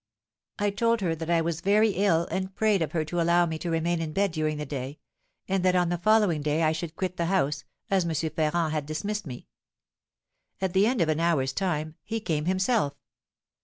I told her that I was so very ill, and prayed of her to allow me to remain in bed during the day, and that on the following day I should quit the house, as M. Ferrand had dismissed me. At the end of an hour's time, he came himself.